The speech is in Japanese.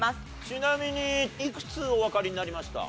ちなみにいくつおわかりになりました？